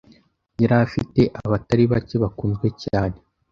yari afite abatari bake bakunzwe cyane